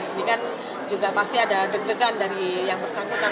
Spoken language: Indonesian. ini kan juga pasti ada deg degan dari yang bersangkutan